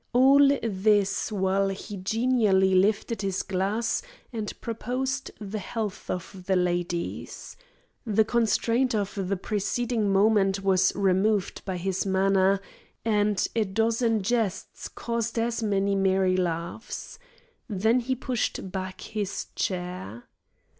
All this, while he genially lifted his glass and proposed the health of the ladies. The constraint of the preceding moment was removed by his manner, and a dozen jests caused as many merry laughs. Then he pushed back his chair.